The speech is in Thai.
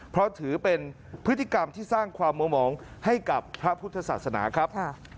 เพราะถือเป็นพฤติกรรมที่สร้างความมัวหมองให้กับพระพุทธศาสนาครับ